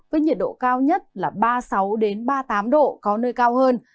với nhiệt độ cao nhất là ba mươi sáu ba mươi tám độ có nơi cao hơn